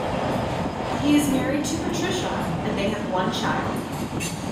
He is married to Patricia and they have one child.